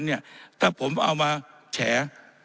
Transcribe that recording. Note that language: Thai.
เนี่ยถ้าผมเอามาแฉ่